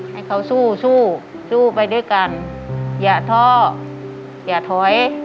ให้เขาสู้สู้สู้สู้ไปด้วยกันอย่าท้ออย่าถอย